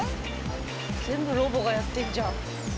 全部ロボがやってんじゃん。